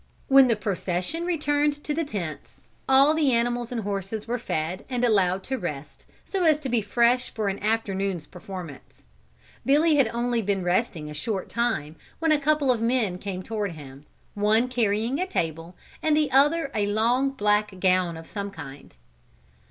When the procession returned to the tents, all the animals and horses were fed and allowed to rest so as to be fresh for the afternoon's performance. Billy had been resting only a short time, when a couple of men came toward him, one carrying a table and the other a long black gown of some kind.